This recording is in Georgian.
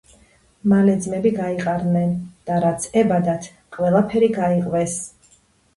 მალე ძმები გაიყარნენ და ,რაც ებადათ ყველაფერი გაიყვეს